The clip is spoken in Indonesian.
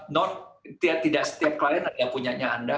not tidak setiap klien ada punyanya anda